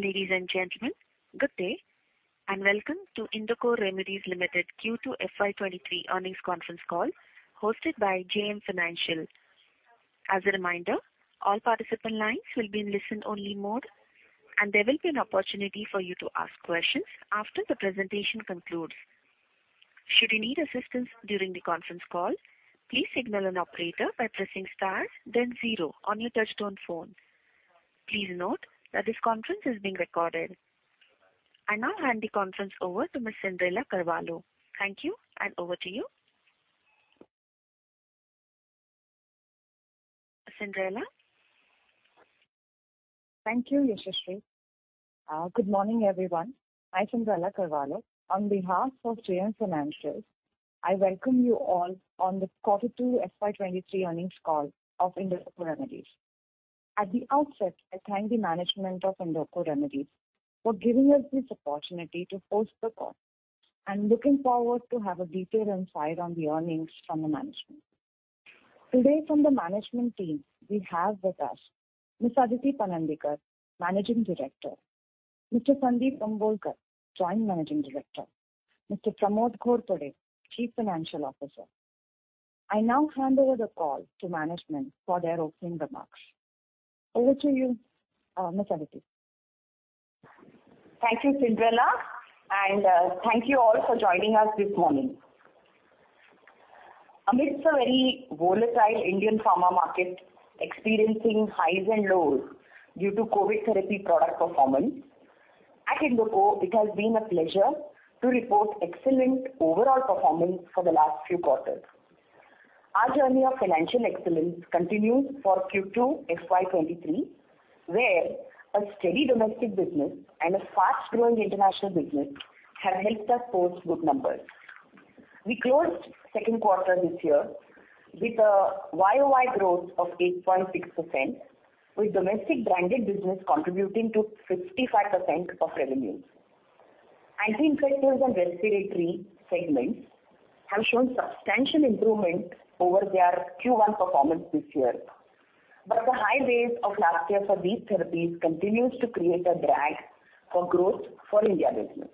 Ladies and gentlemen, good day, and welcome to Indoco Remedies Limited Q2 FY 2023 earnings conference call hosted by JM Financial. As a reminder, all participant lines will be in listen-only mode, and there will be an opportunity for you to ask questions after the presentation concludes. Should you need assistance during the conference call, please signal an operator by pressing star then zero on your touchtone phone. Please note that this conference is being recorded. I now hand the conference over to Ms. Cyndrella Carvalho. Thank you and over to you, Cyndrella. Thank you, Yashashri. Good morning, everyone. I'm Cyndrella Carvalho. On behalf of JM Financial, I welcome you all on the quarter two FY 2023 earnings call of Indoco Remedies. At the outset, I thank the management of Indoco Remedies for giving us this opportunity to host the call. I'm looking forward to have a detailed insight on the earnings from the management. Today from the management team we have with us Ms. Aditi Panandikar, Managing Director, Mr. Sundeep Bambolkar, Joint Managing Director, Mr. Pramod Ghorpade, Chief Financial Officer. I now hand over the call to management for their opening remarks. Over to you, Ms. Aditi. Thank you, Cyndrella, and thank you all for joining us this morning. Amidst a very volatile Indian pharma market experiencing highs and lows due to COVID therapy product performance, at Indoco it has been a pleasure to report excellent overall performance for the last few quarters. Our journey of financial excellence continues for Q2 FY 2023, where a steady domestic business and a fast-growing international business have helped us post good numbers. We closed second quarter this year with a YOY growth of 8.6%, with domestic branded business contributing to 55% of revenues. Anti-infectives and respiratory segments have shown substantial improvement over their Q1 performance this year, but the high base of last year for these therapies continues to create a drag for growth for Indian business.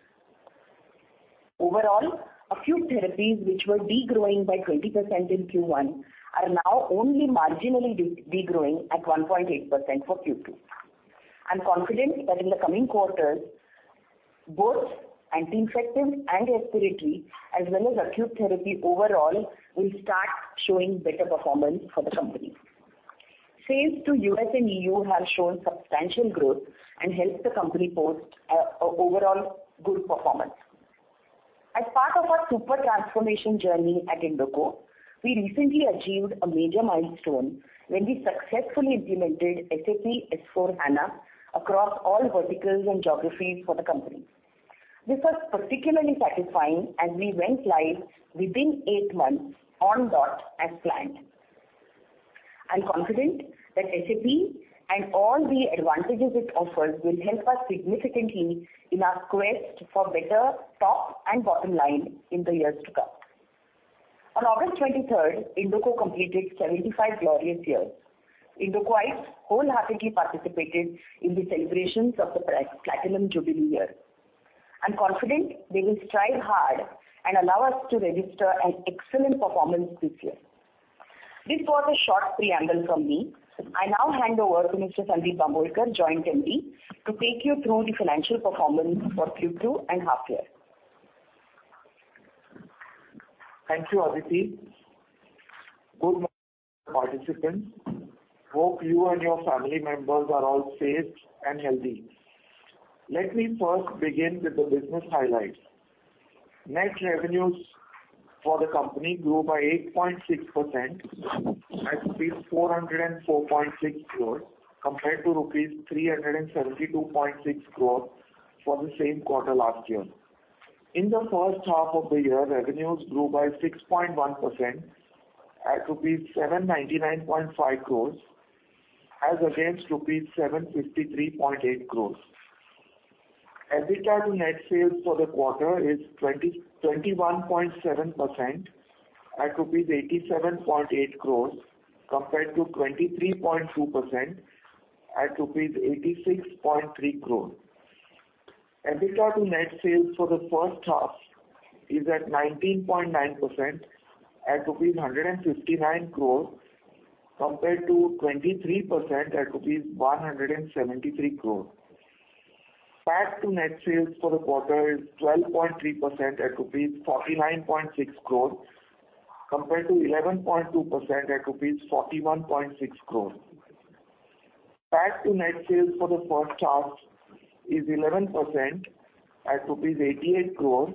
Overall, acute therapies which were degrowing by 20% in Q1 are now only marginally degrowing at 1.8% for Q2. I'm confident that in the coming quarters, both anti-infectives and respiratory as well as acute therapy overall will start showing better performance for the company. Sales to U.S. and E.U. have shown substantial growth and helped the company post a overall good performance. As part of our super transformation journey at Indoco, we recently achieved a major milestone when we successfully implemented SAP S/4HANA across all verticals and geographies for the company. This was particularly satisfying as we went live within 8 months on the dot as planned. I'm confident that SAP and all the advantages it offers will help us significantly in our quest for better top and bottom line in the years to come. On August twenty-third, Indoco completed 75 glorious years. Indocoites wholeheartedly participated in the celebrations of the platinum jubilee year. I'm confident they will strive hard and allow us to register an excellent performance this year. This was a short preamble from me. I now hand over to Mr. Sundeep Bambolkar, Joint MD, to take you through the financial performance for Q2 and half year. Thank you, Aditi. Good morning, participants. Hope you and your family members are all safe and healthy. Let me first begin with the business highlights. Net revenues for the company grew by 8.6% at rupees 404.6 crore, compared to rupees 372.6 crore for the same quarter last year. In the first half of the year, revenues grew by 6.1% at rupees 799.5 crore as against rupees 753.8 crore. EBITDA to net sales for the quarter is 21.7% at rupees 87.8 crore compared to 23.2% at rupees 86.3 crore. EBITDA to net sales for the first half is at 19.9% at rupees 159 crore compared to 23% at rupees 173 crore. PAT to net sales for the quarter is 12.3% at rupees 49.6 crore compared to 11.2% at rupees 41.6 crore. PAT to net sales for the first half is 11% at rupees 88 crore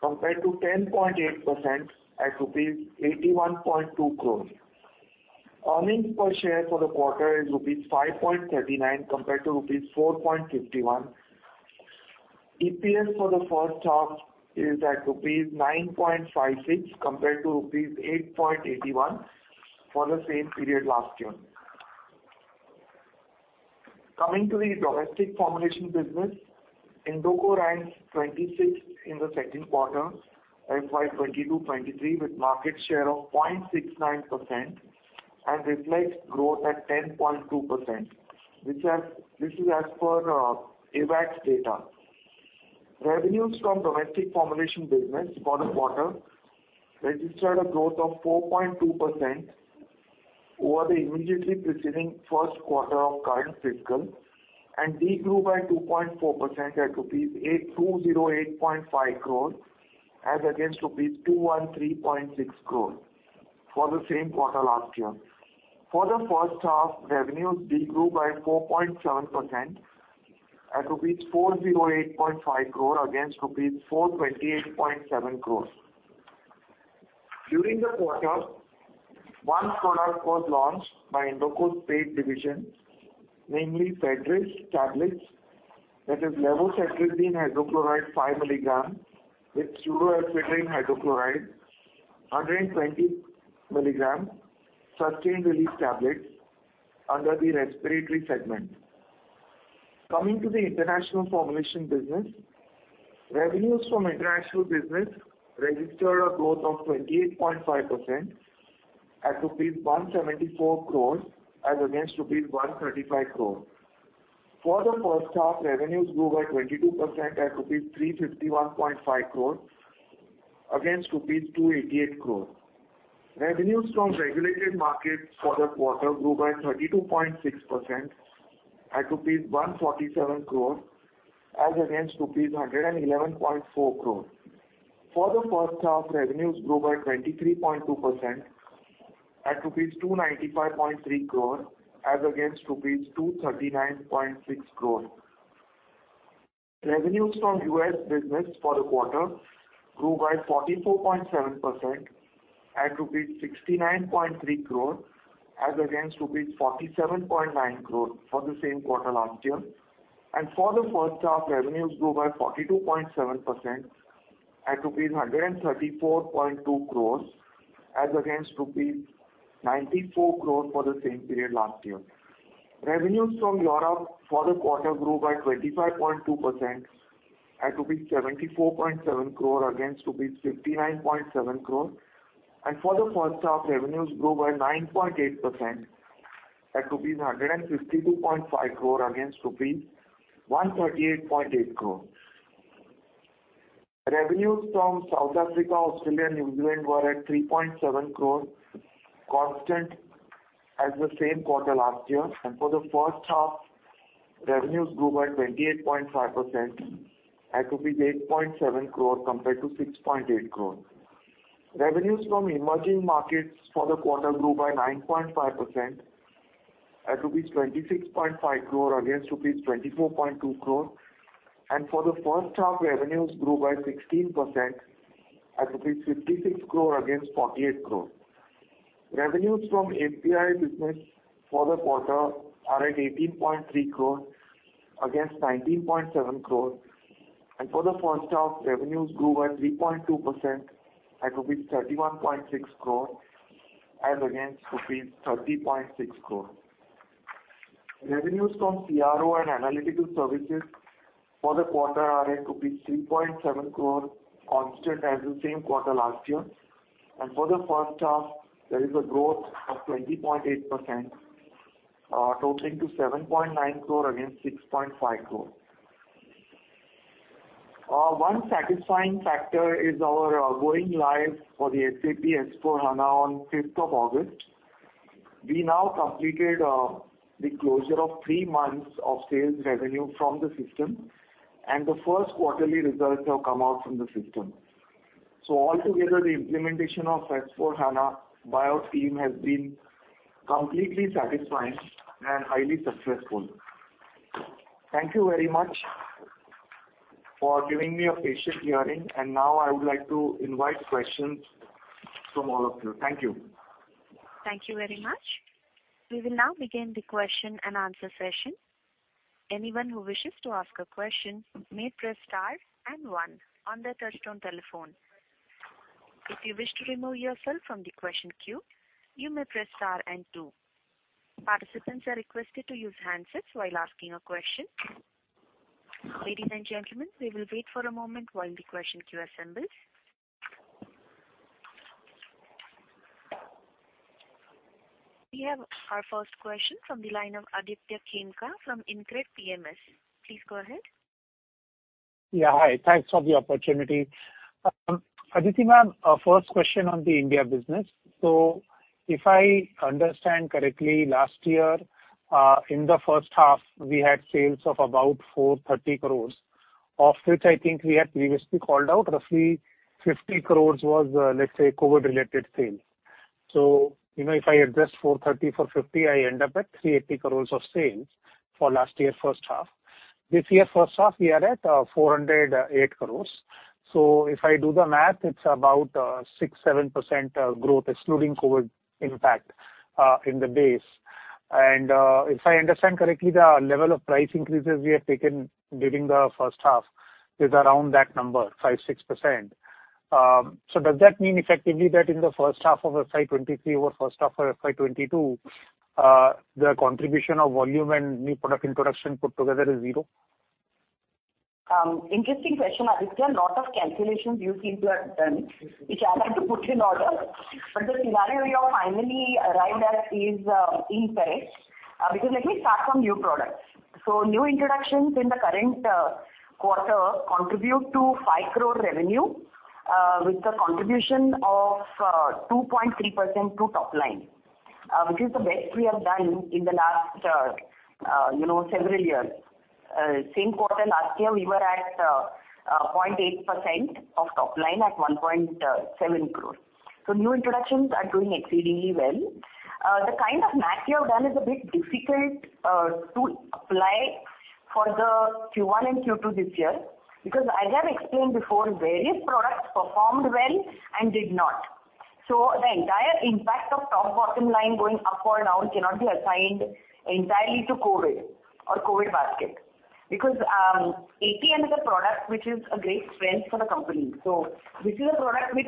compared to 10.8% at rupees 81.2 crore. Earnings per share for the quarter is rupees 5.39 compared to rupees 4.51. EPS for the first half is at rupees 9.56 compared to rupees 8.81 for the same period last year. Coming to the domestic formulation business. Indoco ranks 26 in the second quarter, FY 2022/2023, with market share of 0.69% and reflects growth at 10.2%. This is as per AWACS data. Revenues from domestic formulation business for the quarter registered a growth of 4.2% over the immediately preceding first quarter of current fiscal, and degrew by 2.4% at rupees 208.5 cror as against rupees 213.6 crore for the same quarter last year. For the first half, revenues degrew by 4.7% at rupees 408.5 crore against rupees 428.7 cror. During the quarter, one product was launched by Indoco's Spade division, namely Febrex tablets. That is Levocetirizine Hydrochloride 5 milligrams with Pseudoephedrine Hydrochloride, 120 milligrams sustained-release tablets under the respiratory segment. Coming to the international formulation business, revenues from international business registered a growth of 28.5% at rupees 174 crore as against rupees 135 crore. For the first half, revenues grew by 22% at rupees 351.5 crore against rupees 288 crore. Revenues from regulated markets for the quarter grew by 32.6% at rupees 147 crore as against rupees 111.4 crore. For the first half, revenues grew by 23.2% at rupees 295.3 crore as against rupees 239.6 crore. Revenues from U.S. business for the quarter grew by 44.7% at rupees 69.3 crore as against rupees 47.9 crore for the same quarter last year. For the first half, revenues grew by 42.7% at rupees 134.2 crore as against rupees 94 crore for the same period last year. Revenues from Europe for the quarter grew by 25.2% at rupees 74.7 crore against rupees 59.7 crore. For the first half, revenues grew by 9.8% at rupees 152.5 crore against rupees 138.8 crore. Revenues from South Africa, Australia, New Zealand were at 3.7 crore, constant as the same quarter last year. For the first half, revenues grew by 28.5% at 8.7 crore compared to 6.8 cror. Revenues from emerging markets for the quarter grew by 9.5% at rupees 26.5 crore against rupees 24.2 crore. For the first half, revenues grew by 16% at rupees 56 crore against 48 crore. Revenues from API business for the quarter are at 18.3 crores against 19.7 crore. For the first half, revenues grew by 3.2% at 31.6 crore as against 30.6 crore. Revenues from CRO and analytical services for the quarter are at 3.7 crore, constant as the same quarter last year. For the first half, there is a growth of 20.8%, totaling to 7.9 crore against 6.5 crore. One satisfying factor is our going live for the SAP S/4HANA on fifth of August. We now completed the closure of three months of sales revenue from the system, and the first quarterly results have come out from the system. All together, the implementation of S/4HANA by our team has been completely satisfying and highly successful. Thank you very much for giving me a patient hearing. Now I would like to invite questions from all of you. Thank you. Thank you very much. We will now begin the question and answer session. Anyone who wishes to ask a question may press star and one on their touchtone telephone. If you wish to remove yourself from the question queue, you may press star and two. Participants are requested to use handsets while asking a question. Ladies and gentlemen, we will wait for a moment while the question queue assembles. We have our first question from the line of Aditya Khemka from InCred PMS. Please go ahead. Hi. Thanks for the opportunity. Aditi ma'am, first question on the India business. If I understand correctly, last year in the first half, we had sales of about 430 crore, of which I think we had previously called out roughly 50 crore was COVID-related sales. If I adjust 430 for 50, I end up at 380 crore of sales for last year first half. This year first half we are at 408 crore. If I do the math, it's about 6-7% growth excluding COVID impact in the base. If I understand correctly, the level of price increases we have taken during the first half is around that number, 5-6%. Does that mean effectively that in the first half of FY23 over first half of FY22, the contribution of volume and new product introduction put together is zero? Interesting question. I think there are a lot of calculations you seem to have done, which I'll have to put in order. The scenario you have finally arrived at is incorrect. Because let me start from new products. New introductions in the current quarter contribute to 5 crore revenue, with a contribution of 2.3% to top line, which is the best we have done in the last you know several years. Same quarter last year, we were at 0.8% of top line at 1.7 crore. New introductions are doing exceedingly well. The kind of math you have done is a bit difficult to apply for the Q1 and Q2 this year, because I have explained before, various products performed well and did not. The entire impact of top and bottom line going up or down cannot be assigned entirely to COVID or COVID basket. Because ATM is a product which is a great strength for the company. This is a product which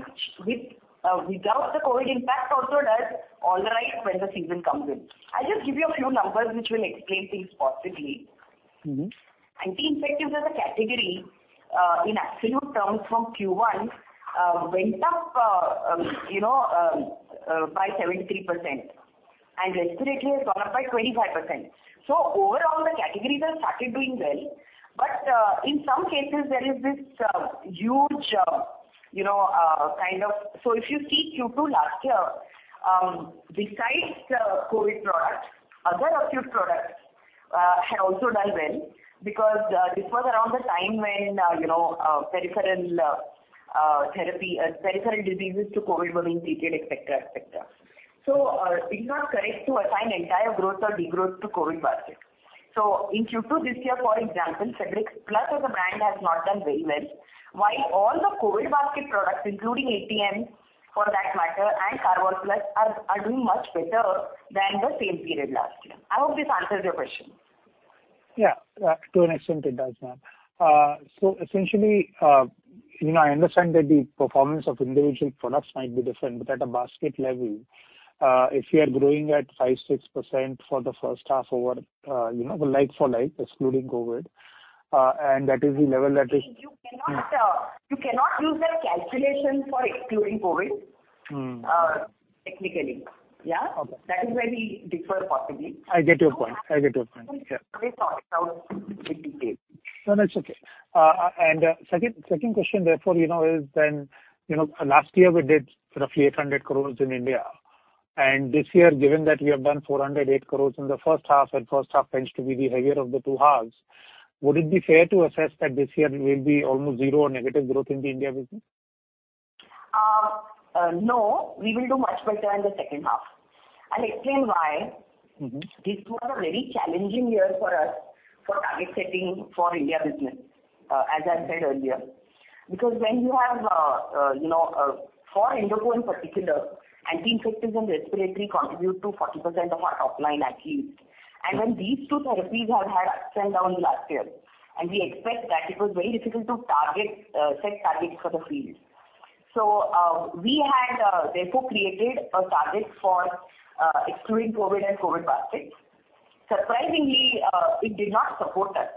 without the COVID impact also does all right when the season comes in. I'll just give you a few numbers which will explain things possibly. Mm-hmm. Anti-infectives as a category, in absolute terms from Q1, went up, you know, by 73%. Respiratory has gone up by 25%. Overall, the categories have started doing well. But in some cases, there is this huge, you know, kind of. If you see Q2 last year, besides the COVID products, other acute products have also done well because this was around the time when you know peripheral therapy peripheral diseases to COVID were increased et cetera. It's not correct to assign entire growth or degrowth to COVID basket. in Q2 this year, for example, Febrex Plus as a brand has not done very well, while all the COVID basket products, including ATM for that matter, and Karvol Plus are doing much better than the same period last year. I hope this answers your question. Yeah. To an extent it does, ma'am. So essentially, you know, I understand that the performance of individual products might be different, but at a basket level, if you are growing at 5%-6% for the first half over, you know, the like-for-like, excluding COVID, and that is the level that is. You cannot use that calculation for excluding COVID. Mm. Technically. Yeah. Okay. That is where we differ possibly. I get your point. Yeah. No, that's okay. Second question therefore, you know, is then, you know, last year we did roughly 800 crore in India. This year, given that we have done 408 crore in the first half, and first half tends to be the heavier of the two halves, would it be fair to assess that this year will be almost zero or negative growth in the India business? No, we will do much better in the second half. I'll explain why. Mm-hmm. These two are a very challenging year for us for target setting for India business, as I've said earlier. Because when you have, you know, for Indoco in particular, anti-infectives and respiratory contribute to 40% of our top line at least. When these two therapies have had ups and downs last year, and we expect that it was very difficult to target, set targets for the field. We had therefore created a target for excluding COVID and COVID baskets. Surprisingly, it did not support us,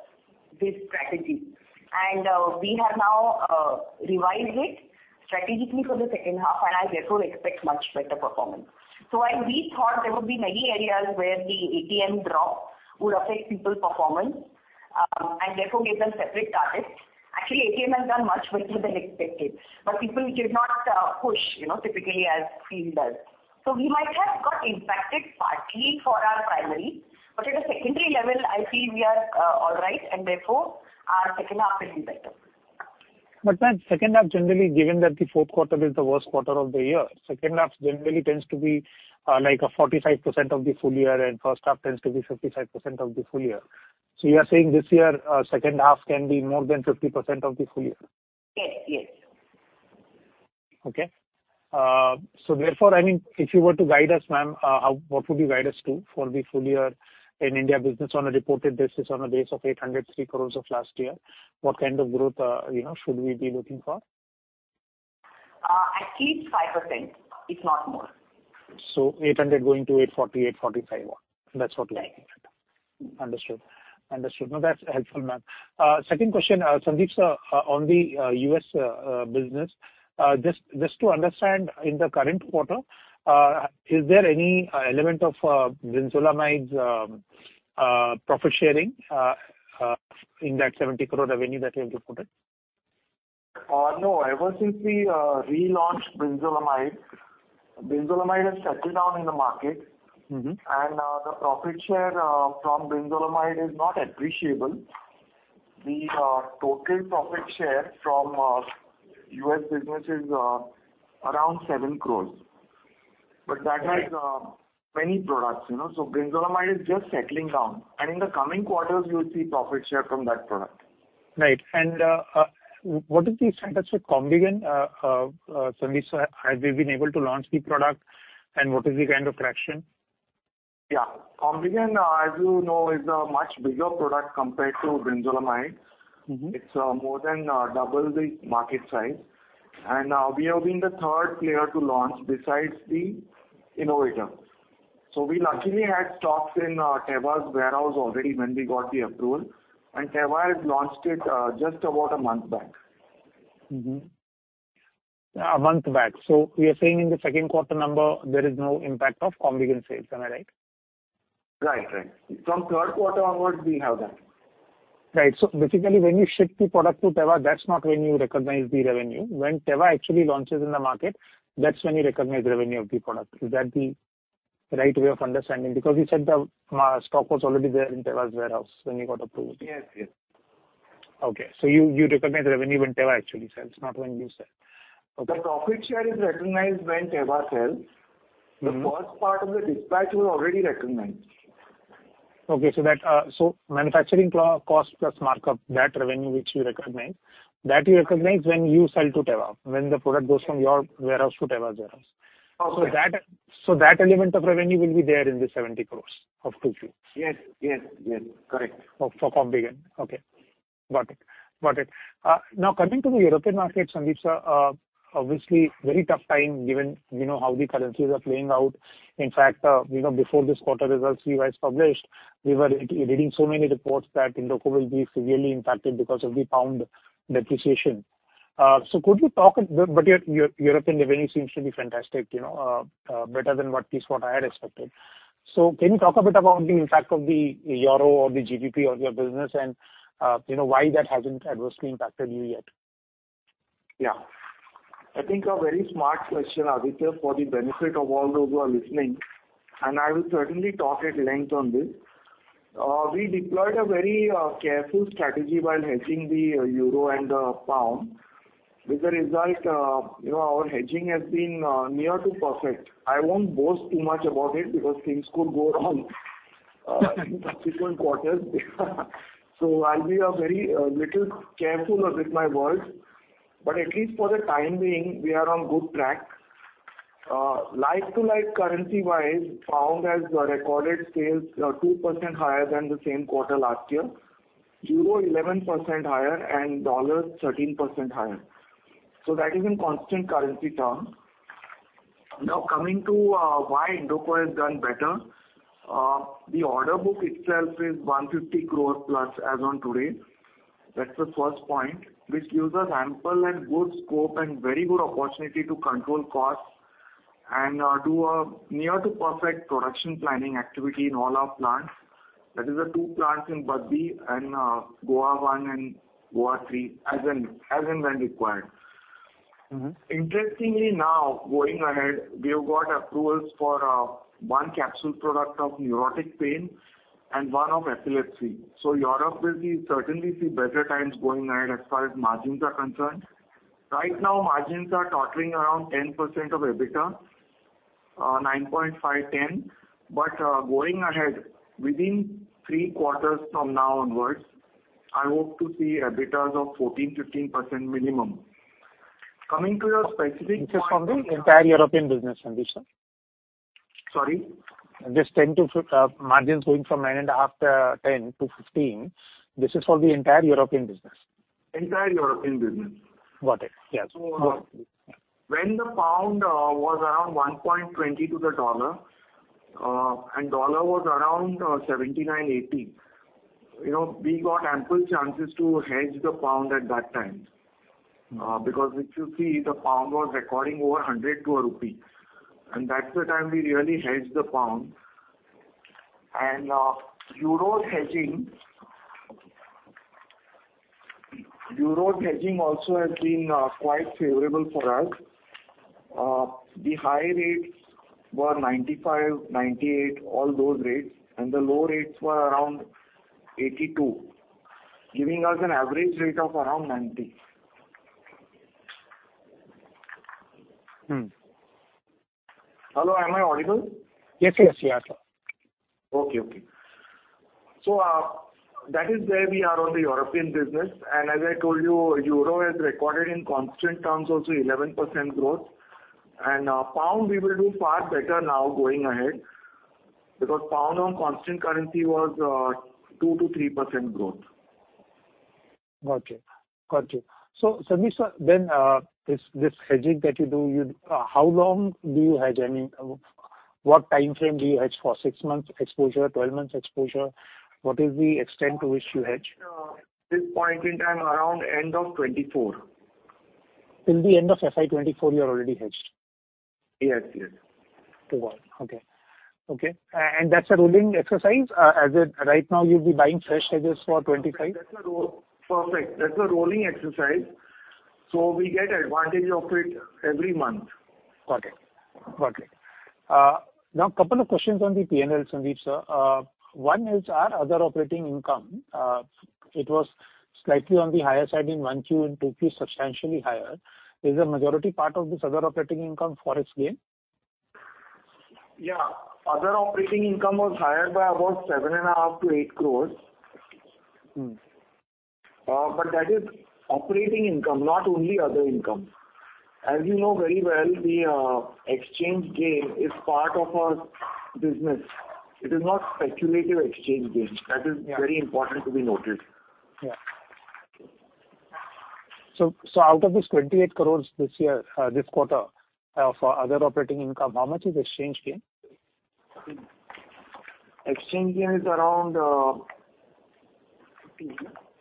this strategy. We have now revised it strategically for the second half, and I therefore expect much better performance. While we thought there would be many areas where the ATM drop would affect people performance, and therefore gave them separate targets. Actually, ATM has done much better than expected, but people did not push, you know, typically as field does. We might have got impacted partly for our primary, but at a secondary level, I feel we are all right and therefore our second half will be better. Ma'am, second half generally, given that the fourth quarter is the worst quarter of the year, second half generally tends to be like a 45% of the full year, and first half tends to be 55% of the full year. You are saying this year, second half can be more than 50% of the full year? Yes. Yes. Therefore, I mean, if you were to guide us, ma'am, what would you guide us to for the full year in India business on a reported basis on the base of 803 crore of last year? What kind of growth, you know, should we be looking for? At least 5%, if not more. 800 going to 840, 845. That's what you are looking at. Yes. Understood. No, that's helpful, ma'am. Second question, Sundeep, sir, on the U.S. Business, just to understand in the current quarter, is there any element of brinzolamide's profit sharing in that 70 crore revenue that you have reported? No. Ever since we relaunched brinzolamide has settled down in the market. Mm-hmm. The profit share from brinzolamide is not appreciable. The total profit share from U.S. business is around 7 crore. That has many products, you know. Brinzolamide is just settling down. In the coming quarters, you'll see profit share from that product. Right. What is the status with Combigan, Sundeep, sir? Have we been able to launch the product? What is the kind of traction? Yeah. Combigan, as you know, is a much bigger product compared to brinzolamide. Mm-hmm. It's more than double the market size. We have been the third player to launch besides the innovator. We luckily had stocks in Teva's warehouse already when we got the approval, and Teva has launched it just about a month back. A month back. We are saying in the second quarter number, there is no impact of Combigan sales. Am I right? Right. From third quarter onwards, we have that. Right. Basically, when you ship the product to Teva, that's not when you recognize the revenue. When Teva actually launches in the market, that's when you recognize revenue of the product. Is that the right way of understanding? Because you said the stock was already there in Teva's warehouse when you got approved. Yes. Yes. Okay. You recognize revenue when Teva actually sells, not when you sell. Okay. The profit share is recognized when Teva sells. Mm-hmm. The first part of the dispatch we already recognized. Manufacturing cost plus markup, that revenue which you recognize, that you recognize when you sell to Teva, when the product goes from your warehouse to Teva's warehouse. Okay. That element of revenue will be there in the 70 crore of 2Q. Yes. Yes. Yes. Correct. For Combigan. Okay. Got it. Now coming to the European market, Sundeep, sir, obviously very tough time given, you know, how the currencies are playing out. In fact, you know, before this quarter's results were published, we were reading so many reports that Indoco will be severely impacted because of the pound depreciation. Could you talk a bit. But your European revenue seems to be fantastic, you know, better than what I had expected. Can you talk a bit about the impact of the euro or the GBP on your business and, you know, why that hasn't adversely impacted you yet? Yeah. I think a very smart question, Aditya, for the benefit of all those who are listening, and I will certainly talk at length on this. We deployed a very careful strategy while hedging the euro and the pound. With the result, you know, our hedging has been nearly perfect. I won't boast too much about it because things could go wrong in subsequent quarters. I'll be very careful with my words, but at least for the time being, we are on good track. Like to like currency-wise, pound has recorded sales 2% higher than the same quarter last year, euro 11% higher, and dollar 13% higher. That is in constant currency terms. Now, coming to why Indoco has done better. The order book itself is 150 crore plus as on today. That's the first point, which gives us ample and good scope and very good opportunity to control costs and do a near to perfect production planning activity in all our plants. That is the two plants in Baddi and Goa one and Goa three, as and when required. Mm-hmm. Interestingly now, going ahead, we have got approvals for one capsule product of neuropathic pain and one of epilepsy. Europe will certainly see better times going ahead as far as margins are concerned. Right now, margins are totaling around 10% of EBITDA, 9.5, 10. Going ahead, within 3 quarters from now onwards, I hope to see EBITDA of 14, 15% minimum. Coming to your specific point. This is from the entire European business, Sundeep sir. Sorry. This 10%-15%, margins going from 9.5%-10%-15%. This is for the entire European business. Entire European business. Got it. Yes. When the pound was around 1.20 to the dollar, and dollar was around 79-80, you know, we got ample chances to hedge the pound at that time. Because if you see, the pound was recording over 100 to a rupee, and that's the time we really hedged the pound. Euro hedging also has been quite favorable for us. The high rates were 95, 98, all those rates, and the low rates were around 82, giving us an average rate of around 90. Hmm. Hello, am I audible? Yes. Yes. Yes. That is where we are on the European business. As I told you, euro has recorded in constant terms also 11% growth. Pound we will do far better now going ahead because pound on constant currency was 2%-3% growth. Got you. Sundeep Bambolkar, sir, this hedging that you do, how long do you hedge? I mean, what time frame do you hedge for? 6 months exposure, 12 months exposure? What is the extent to which you hedge? This point in time, around end of 2024. Till the end of FY 2024, you are already hedged. Yes. Yes. To what? Okay. That's a rolling exercise. As in right now, you'll be buying fresh hedges for 25. That's a roll. Perfect. That's a rolling exercise. We get advantage of it every month. Got it. Now couple of questions on the P&L, Sundeep Bambolkar, sir. One is our other operating income. It was slightly on the higher side in 1Q and 2Q, substantially higher. Is the majority part of this other operating income Forex gain? Other operating income was higher by about 7.5-8 crore. But that is operating income, not only other income. As you know very well, the exchange gain is part of our business. It is not speculative exchange gain. Yeah. That is very important to be noted. Out of this 28 crore this year, this quarter, for other operating income, how much is exchange gain? Exchange gain is around.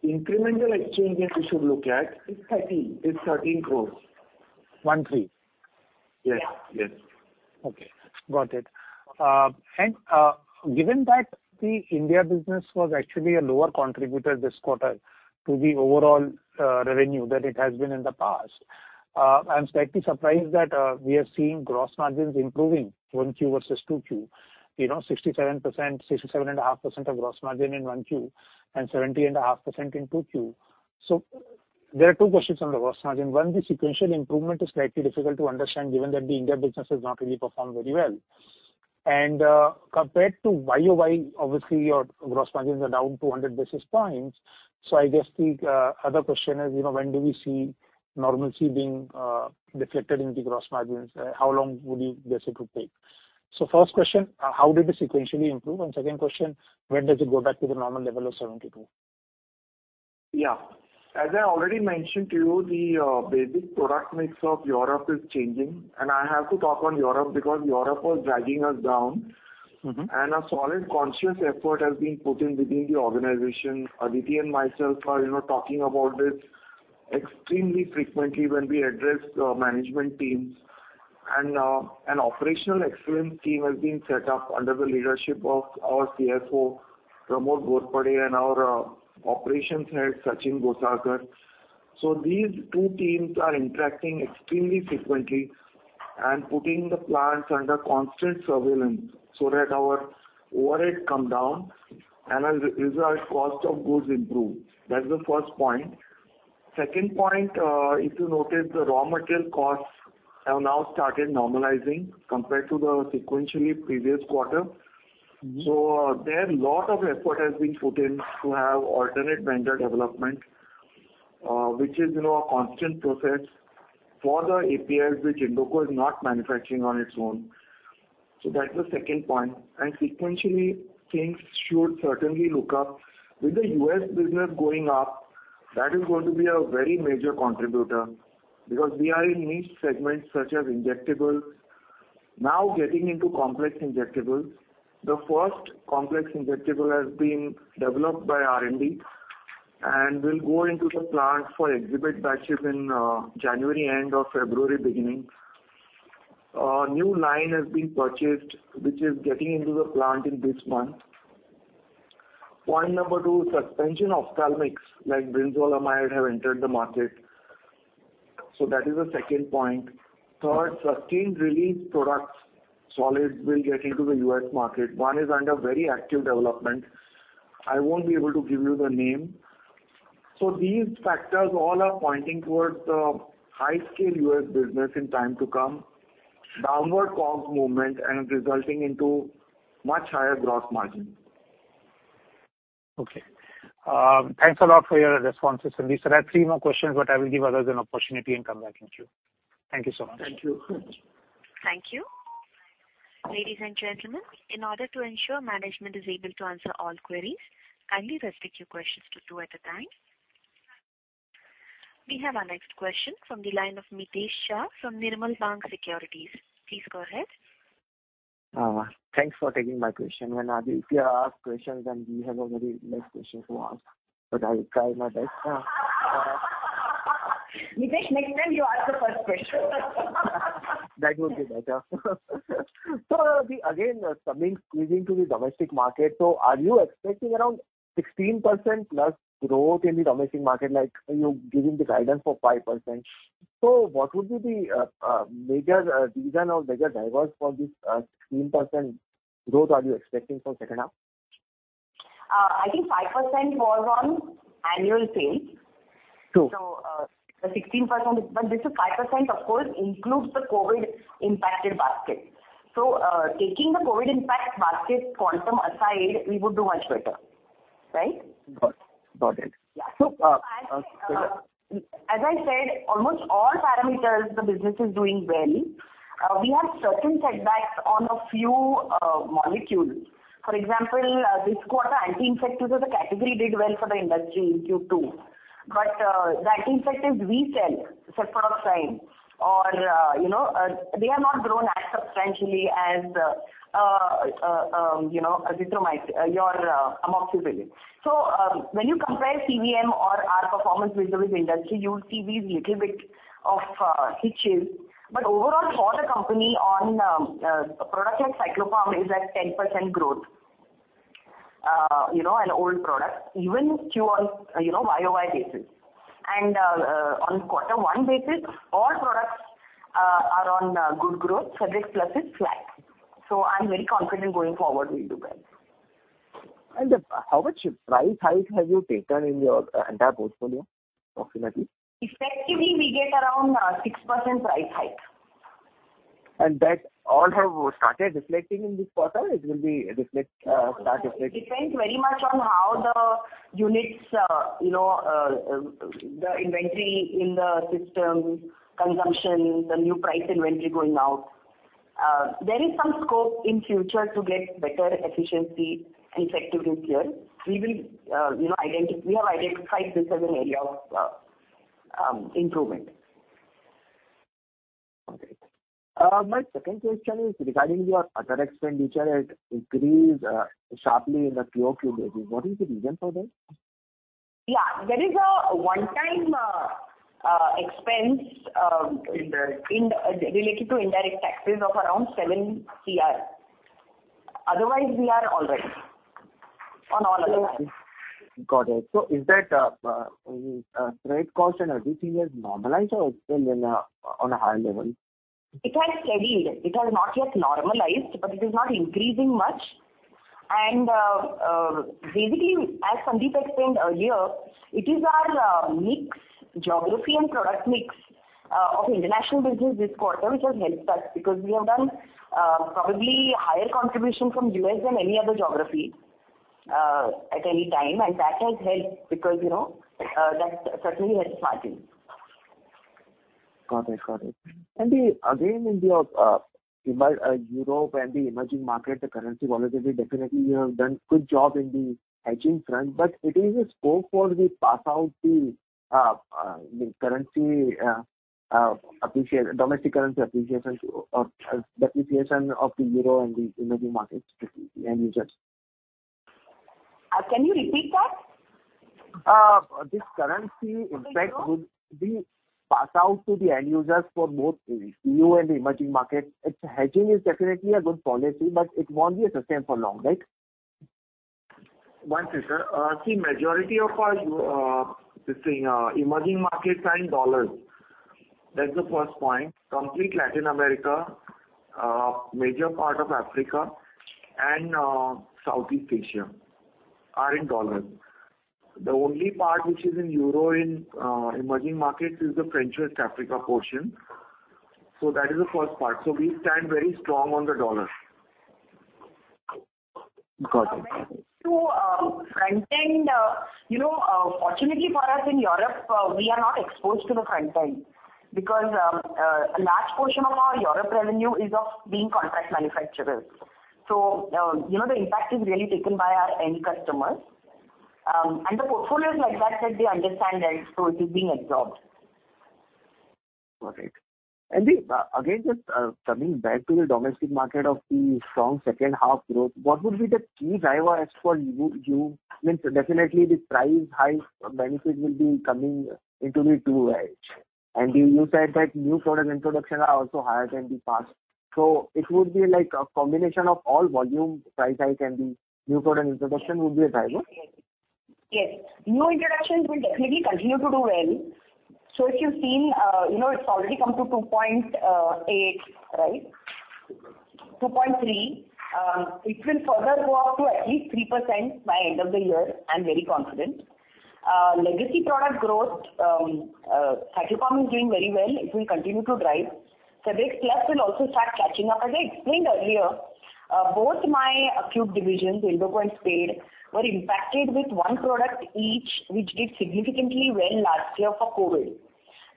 Incremental exchange gain you should look at. It's 13. It's 13 crore. 1, 3? Yes, yes. Okay. Got it. Given that the India business was actually a lower contributor this quarter to the overall revenue than it has been in the past, I'm slightly surprised that we are seeing gross margins improving 1Q versus 2Q. You know, 67%, 67.5% gross margin in 1Q and 70.5% in 2Q. There are two questions on the gross margin. One, the sequential improvement is slightly difficult to understand given that the India business has not really performed very well. Compared to YOY, obviously, your gross margins are down 200 basis points. I guess the other question is, you know, when do we see normalcy being reflected in the gross margins? How long would you guess it could take? First question, how did it sequentially improve? Second question, when does it go back to the normal level of 72? Yeah. As I already mentioned to you, the basic product mix of Europe is changing, and I have to talk on Europe because Europe was dragging us down. Mm-hmm. A solid conscious effort has been put in within the organization. Aditi and myself are, you know, talking about this extremely frequently when we address management teams. An operational excellence team has been set up under the leadership of our CFO, Pramod Ghorpade, and our operations head, Amit Gosar. These two teams are interacting extremely frequently and putting the plants under constant surveillance so that our overhead come down and as a result, cost of goods improve. That's the first point. Second point, if you notice, the raw material costs have now started normalizing compared to the sequentially previous quarter. Mm-hmm. A lot of effort has been put in to have alternate vendor development, which is, you know, a constant process for the APIs which Indoco is not manufacturing on its own. That's the second point. Sequentially, things should certainly look up. With the U.S. business going up, that is going to be a very major contributor because we are in niche segments such as injectables. Now getting into complex injectables. The first complex injectable has been developed by R&D, and will go into the plant for exhibit batches in January end or February beginning. New line has been purchased, which is getting into the plant in this month. Point number two, suspension ophthalmics like brinzolamide have entered the market. That is the second point. Third, sustained release products solid will get into the U.S. market. One is under very active development. I won't be able to give you the name. These factors all are pointing towards the high scale U.S. business in time to come. Downward comps movement and resulting into much higher gross margin. Okay. Thanks a lot for your responses. Listen, I have three more questions, but I will give others an opportunity and come back with you. Thank you so much. Thank you. Thank you. Ladies and gentlemen, in order to ensure management is able to answer all queries, kindly restrict your questions to two at a time. We have our next question from the line of Mitesh Shah from Nirmal Bang Securities. Please go ahead. Thanks for taking my question. When Aditya asks questions, then we have already less questions to ask, but I will try my best. Mitesh, next time you ask the first question. That would be better. Again, coming to the domestic market, are you expecting around 16%+ growth in the domestic market? Like, you're giving the guidance for 5%. What would be the major reason or major drivers for this 16% growth are you expecting for second half? I think 5% was on annual sales. True. The 16%. This is 5%, of course, includes the COVID impacted basket. Taking the COVID impact basket quantum aside, we would do much better. Right? Got it. Got it. Yeah. So, uh- As I said, almost all parameters, the business is doing well. We have certain setbacks on a few molecules. For example, this quarter, anti-infectives as a category did well for the industry in Q2. The anti-infectives we sell, Cefprozil or, you know, they have not grown as substantially as, you know, azithromycin, your amoxicillin. When you compare MAT or our performance vis-a-vis industry, you'll see a little bit of hitches. Overall, for the company on product like Cyclopam is at 10% growth, you know, an old product, even QoQ, you know, YOY basis. On QoQ basis, all products are on good growth, Febrex Plus is flat. I'm very confident going forward we'll do well. How much price hike have you taken in your entire portfolio approximately? Effectively, we get around 6% price hike. that all have started reflecting in this quarter, it will start reflecting. Depends very much on how the units, the inventory in the system, consumption, the new price inventory going out. There is some scope in future to get better efficiency and effectiveness here. We have identified this as an area of improvement. Okay. My second question is regarding your other expenditure. It increased sharply in the QOQ basis. What is the reason for that? Yeah. There is a one-time expense. Indirect. related to indirect taxes of around 7 crore. Otherwise, we are all right on all other items. Got it. Is that freight cost and other things has normalized or still on a high level? It has steadied. It has not yet normalized, but it is not increasing much. Basically, as Sundeep explained earlier, it is our mix, geography and product mix of international business this quarter which has helped us, because we have done probably higher contribution from U.S. than any other geography at any time. That has helped because, you know, that certainly helped margins. Got it. Then, again, in Europe and the emerging markets, the currency volatility. Definitely you have done good job in the hedging front, but there is scope for passing on the currency appreciation or depreciation of the euro and the emerging markets to the end users. Can you repeat that? This currency impact would be passed on to the end users for both E.U. and the emerging market. It's hedging is definitely a good policy, but it won't be sustainable for long, right? One second. See, majority of our, this thing, emerging markets are in dollars. That's the first point. Complete Latin America, major part of Africa and, Southeast Asia are in dollars. The only part which is in euro in, emerging markets is the French West Africa portion. That is the first part. We stand very strong on the dollar. Got it. To the front end, you know, fortunately for us in Europe, we are not exposed to the front end because a large portion of our Europe revenue is from being contract manufacturers. You know, the impact is really taken by our end customers. The portfolio is like that they understand and so it is being absorbed. Got it. Coming back to the domestic market of the strong second half growth, what would be the key drivers as per you? I mean, definitely the price hike benefit will be coming into the two. You said that new product introduction are also higher than the past. It would be like a combination of all volume, price hike and the new product introduction would be a driver? Yes. New introductions will definitely continue to do well. If you've seen, you know, it's already come to 2.8, right? 2.3%. It will further go up to at least 3% by end of the year. I'm very confident. Legacy product growth, Cyclopam is doing very well. It will continue to drive. Febrex Plus will also start catching up. As I explained earlier, both my acute divisions, Indoco and Spade, were impacted with one product each, which did significantly well last year for COVID.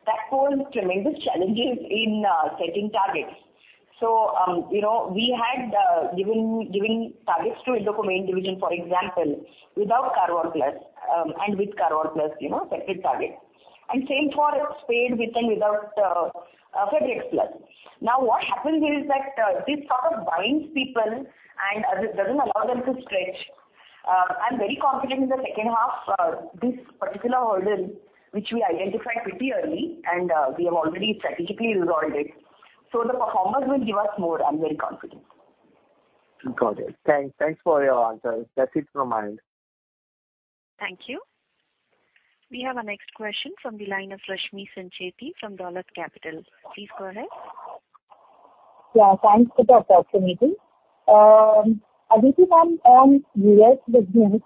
That posed tremendous challenges in setting targets. You know, we had given targets to Indoco main division, for example, without Karvol Plus, and with Karvol Plus, you know, separate targets. Same for Spade with and without Febrex Plus. Now, what happens here is that this sort of binds people and it doesn't allow them to stretch. I'm very confident in the second half, this particular hurdle, which we identified pretty early and we have already strategically resolved it. The performance will give us more. I'm very confident. Got it. Thanks for your answers. That's it from my end. Thank you. We have our next question from the line of Rashmi Shetty from Dolat Capital. Please go ahead. Yeah. Thanks for the opportunity. Aditi, on US business,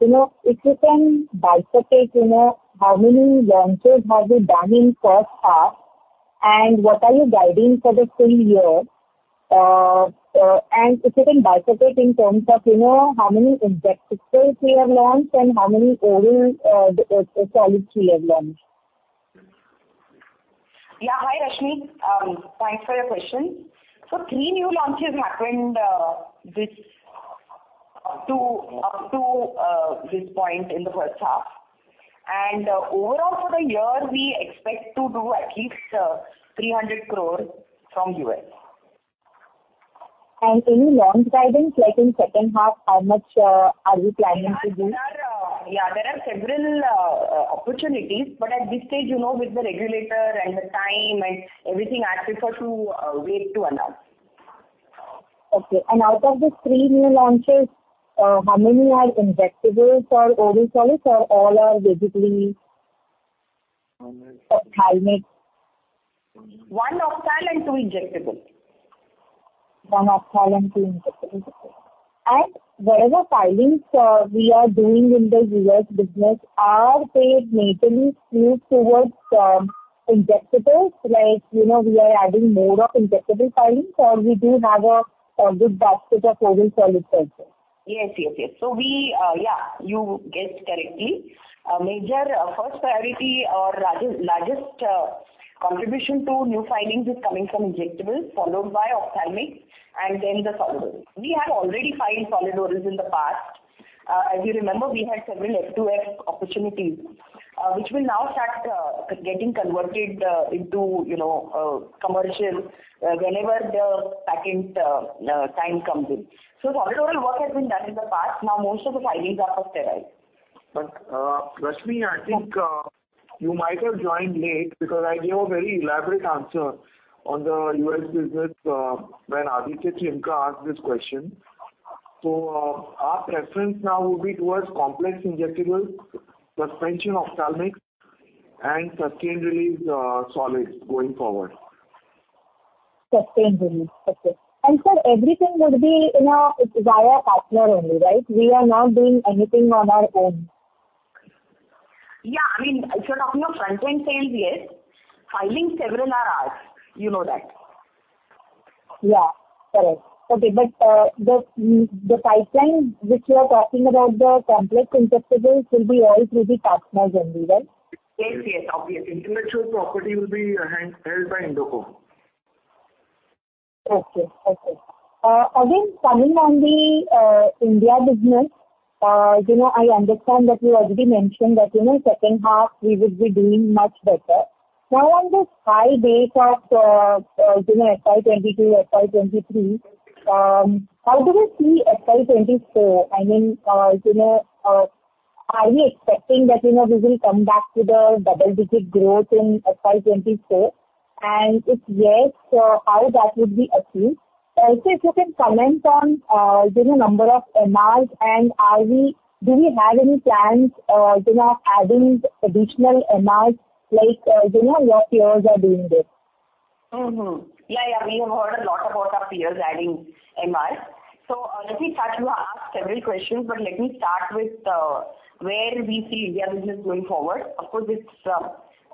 you know, if you can dissect, you know, how many launches have you done in first half, and what are you guiding for the full year? If you can dissect it in terms of, you know, how many injectables you have launched and how many oral solids you have launched. Yeah. Hi, Rashmi. Thanks for your question. Three new launches happened up to this point in the first half. Overall for the year, we expect to do at least 300 crore from U.S. Any launch guidance, like in second half, how much are you planning to do? There are, yeah, several opportunities, but at this stage, you know, with the regulator and the time and everything, I'd prefer to wait to announce. Okay. Out of the three new launches, how many are injectables or oral solids, or all are basically? Ophthalmic. Ophthalmic? 1 ophthalmic, 2 injectable. One ophthalmic injectable. Whatever filings we are doing in the U.S. business, are they majorly skewed towards injectables? Like, you know, we are adding more of injectable filings, or we do have a solid basket of oral solids also. Yes. We, yeah, you guessed correctly. A major first priority or largest contribution to new filings is coming from injectables, followed by Ophthalmics and then the solid. We have already filed solid orals in the past. As you remember, we had several First-to-File opportunities, which will now start getting converted into, you know, commercial whenever the patent time comes in. Solid oral work has been done in the past. Now most of the filings are of steroids. Rashmi, I think you might have joined late because I gave a very elaborate answer on the U.S. business when Aditya Khemka asked this question. Our preference now would be towards complex injectables, suspension Ophthalmics and sustained release solids going forward. Sustained release. Okay. Sir, everything would be, you know, via partner only, right? We are not doing anything on our own. Yeah. I mean, if you're talking of front-end sales, yes. Filings, several are ours. You know that. Yeah. Correct. Okay. The pipeline which you are talking about, the complex injectables, will be all through the partners only, right? Yes, yes. Obviously. Intellectual property will be handled by Indoco. Again, coming on the India business, you know, I understand that you already mentioned that, you know, second half we would be doing much better. Now, on this high base of, you know, FY 2022, FY 2023, how do you see FY 2024? I mean, you know, are we expecting that, you know, we will come back to the double-digit growth in FY 2024? And if yes, how that would be achieved? Also, if you can comment on, you know, number of MRs and do we have any plans, you know, adding additional MRs like, you know, your peers are doing this? We have heard a lot about our peers adding MR. Let me try to answer several questions, but let me start with where we see India business going forward. Of course, it's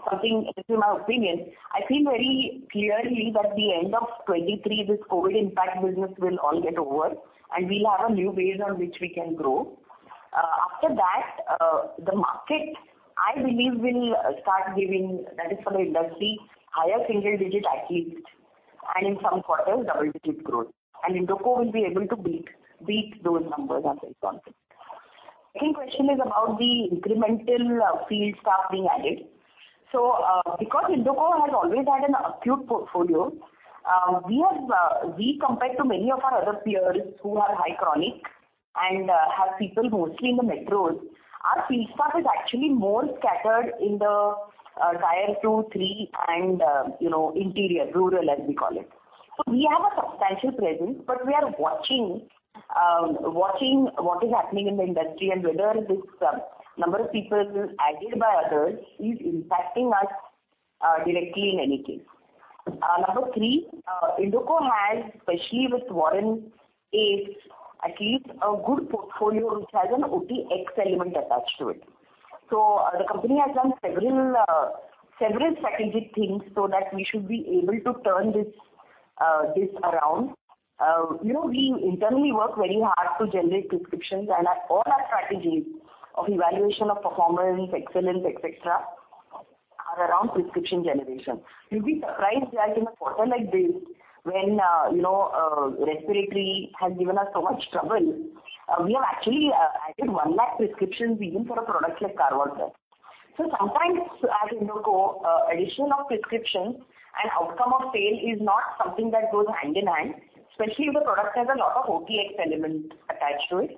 something, this is my opinion. I feel very clearly that the end of 2023, this COVID impact business will all get over, and we'll have a new base on which we can grow. After that, the market, I believe will start giving, that is for the industry, higher single digit at least, and in some quarters, double-digit growth. Indoco will be able to beat those numbers as a company. Second question is about the incremental field staff being added. Because Indoco has always had an acute portfolio, we have, compared to many of our other peers who have high chronic and have people mostly in the metros, our field staff is actually more scattered in the tier 2, 3 and, you know, interior, rural as we call it. We have a substantial presence, but we are watching what is happening in the industry and whether this number of people added by others is impacting us directly in any case. Number 3, Indoco has, especially with Warren Ace, at least a good portfolio which has an OTX element attached to it. The company has done several strategic things so that we should be able to turn this around. You know, we internally work very hard to generate prescriptions, and our all our strategies of evaluation of performance, excellence, et cetera, are around prescription generation. You'll be surprised that in a quarter like this when you know respiratory has given us so much trouble, we have actually added 1 lakh prescriptions even for a product like Karvol Plus. So sometimes at Indoco, addition of prescriptions and outcome of sale is not something that goes hand in hand, especially if the product has a lot of OTX element attached to it.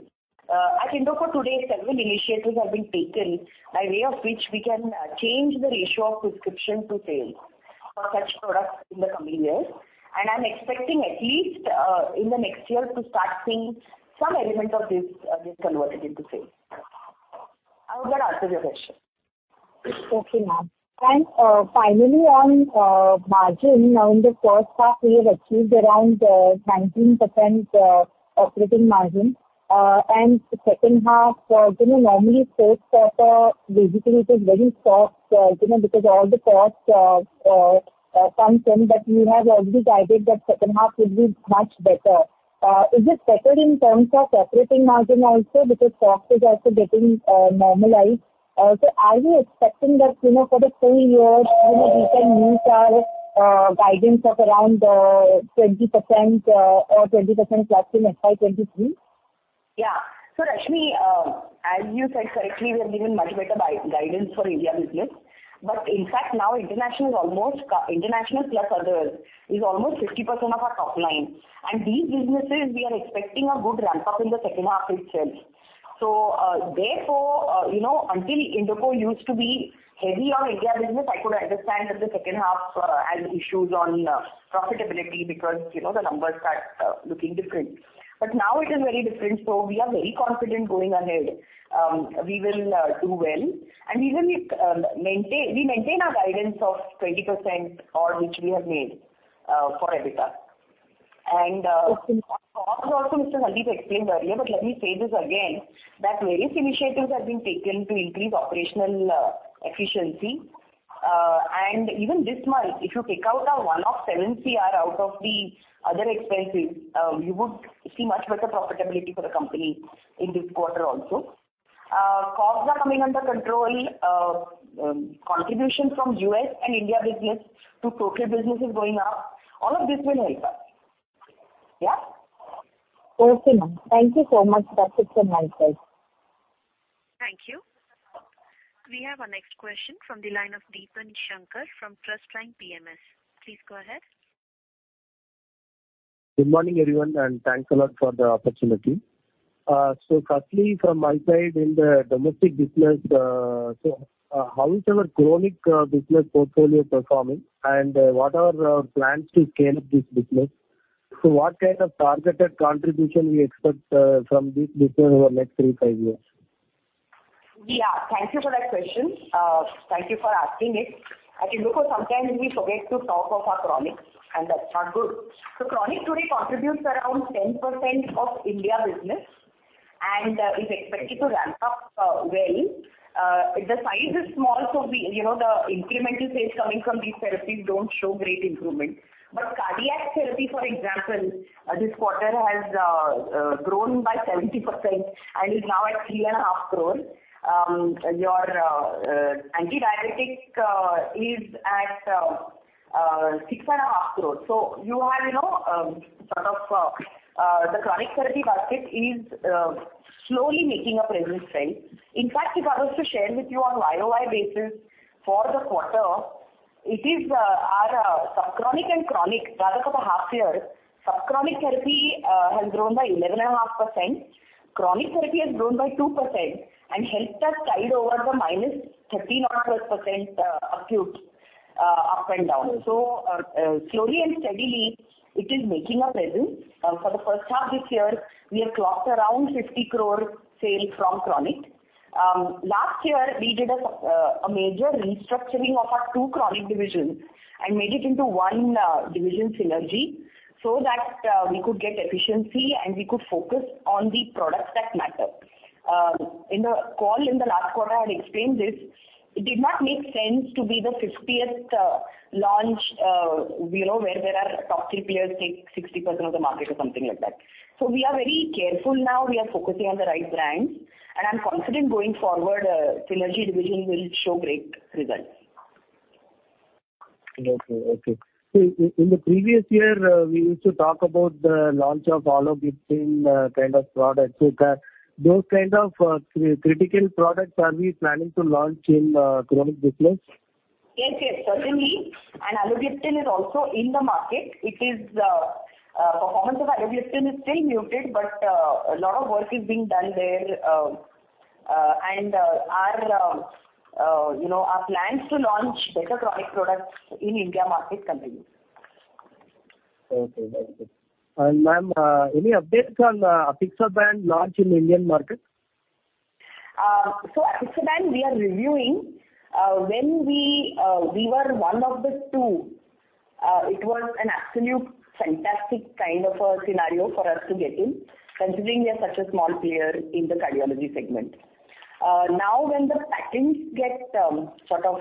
At Indoco today, several initiatives have been taken by way of which we can change the ratio of prescription to sales for such products in the coming years. I'm expecting at least in the next year to start seeing some element of this this converted into sales. I hope that answers your question. Okay, ma'am. Finally, on margin. Now in the first half, we have achieved around 19% operating margin. Second half, you know, normally first quarter basically it is very soft, you know, because all the costs come in, but you have already guided that second half will be much better. Is it better in terms of operating margin also because cost is also getting normalized? Are you expecting that, you know, for the full year, you know, we can meet our guidance of around 20% or 20% plus in FY 2023? Yeah. Rashmi, as you said correctly, we have given much better guidance for India business. In fact now international plus others is almost 50% of our top line. These businesses we are expecting a good ramp-up in the second half itself. Therefore, you know, until Indoco used to be heavy on India business, I could understand that the second half had issues on profitability because, you know, the numbers start looking different. Now it is very different, so we are very confident going ahead, we will do well and we will maintain our guidance of 20% odd which we have made for EBITDA. Mr. Sundeep explained earlier, but let me say this again, that various initiatives have been taken to increase operational efficiency. Even this month, if you take out a one-off 7 crore out of the other expenses, you would see much better profitability for the company in this quarter also. Costs are coming under control. Contribution from U.S. and India business to total business is going up. All of this will help us. Okay, ma'am. Thank you so much. That's it from my side. Thank you. We have our next question from the line of Deepan Sankar Narayanan from TrustLine PMS. Please go ahead. Good morning, everyone, and thanks a lot for the opportunity. Firstly from my side in the domestic business, how is our chronic business portfolio performing, and what are our plans to scale up this business? What kind of targeted contribution we expect from this business over the next 3-5 years? Yeah. Thank you for that question. Thank you for asking it. Actually because sometimes we forget to talk of our chronic, and that's not good. Chronic today contributes around 10% of India business and is expected to ramp up, well. The size is small, so we, you know, the incremental sales coming from these therapies don't show great improvement. But cardiac therapy, for example, this quarter has grown by 70% and is now at 3.5 crore. Your antidiabetic is at 6.5 crore. You have, you know, sort of, the chronic therapy market is slowly making a presence felt. In fact, if I was to share with you on year-over-year basis for the quarter, it is our subchronic and chronic data for the half year. Subchronic therapy has grown by 11.5%. Chronic therapy has grown by 2% and helped us tide over the -13% or -12% acute up and down. Slowly and steadily it is making a presence. For the first half this year we have clocked around 50 crore in sales from chronic. Last year we did a major restructuring of our two chronic divisions and made it into one Synergy division so that we could get efficiency and we could focus on the products that matter. In the call in the last quarter, I had explained this. It did not make sense to be the fiftieth, you know, launch, where there are top three players take 60% of the market or something like that. We are very careful now. We are focusing on the right brands. I'm confident going forward, Synergy division will show great results. In the previous year, we used to talk about the launch of Apixaban in kind of products. Those kind of critical products, are we planning to launch in chronic business? Yes, certainly. Apixaban is also in the market. Performance of Apixaban is still muted, but a lot of work is being done there. You know, our plans to launch better chronic products in Indian market continues. Okay. Very good. Ma'am, any updates on Apixaban launch in Indian market? Apixaban we are reviewing. When we were one of the two, it was an absolute fantastic kind of a scenario for us to get in, considering we are such a small player in the cardiology segment. Now, when the patents get sort of